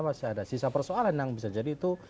masih ada sisa persoalan yang bisa jadi itu